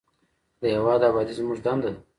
د هیواد ابادي زموږ دنده ده